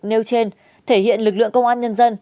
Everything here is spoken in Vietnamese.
nêu trên thể hiện lực lượng công an nhân dân